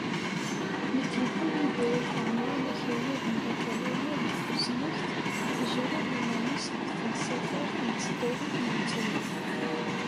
Mi d-yewwi Yidir Ayt Ɛemran akayad n bakalurya deg tusnakt, ijerred iman-is deg tensafart n tesdawit n Lezzayer.